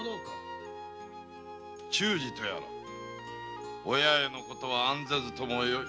忠次とやらお八重の事は案ぜずともよい。